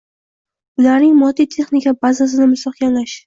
ularning moddiy-texnika bazasini mustahkamlash